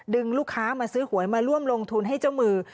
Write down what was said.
ลูกค้ามาซื้อหวยมาร่วมลงทุนให้เจ้ามือ